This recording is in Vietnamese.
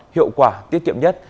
hiệu quả tiết kiệm nhất